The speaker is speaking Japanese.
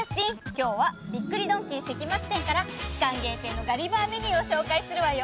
今日はびっくりドンキー関町店から期間限定のガリバーメニューを紹介するわよ。